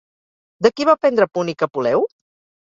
De qui va aprendre púnic Apuleu?